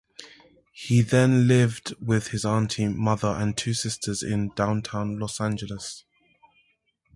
He then lived with his aunt, mother, and two sisters in Downtown Los Angeles.